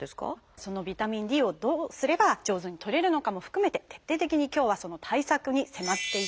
そのビタミンＤをどうすれば上手にとれるのかも含めて徹底的に今日はその対策に迫っていきます。